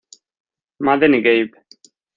Madden y Gabe.